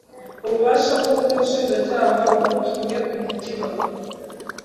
ububasha nk ubw umushinjacyaha wamutumye kumutiba